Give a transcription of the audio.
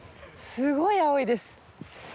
すごい青いです。